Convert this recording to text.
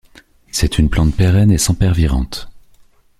C'est une plante pérenne et sempervirente.